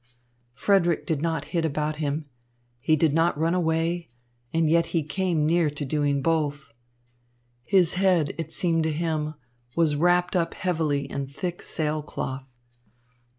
Frederick did not hit about him. He did not run away, and yet he came near doing both. His head, it seemed to him, was wrapped up heavily in thick sail cloth.